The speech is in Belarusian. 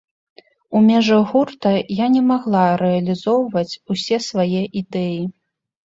У межах гурта я не магла рэалізоўваць усе свае ідэі.